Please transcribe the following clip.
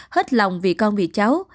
hết lòng vì con vì cháu